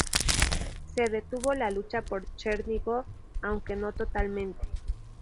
Se detuvo la lucha por Chernígov, aunque no totalmente.